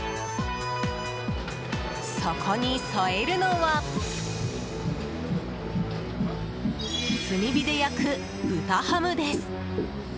そこに添えるのは炭火で焼く豚ハムです。